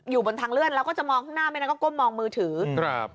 อยู่บนทางเลื่อนแล้วก็จะมองข้างหน้าไม่งั้นก็ก้มมองมือถือครับ